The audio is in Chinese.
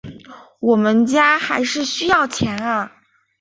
我们家还是需要钱啊